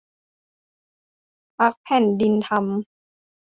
พรรคแผ่นดินธรรม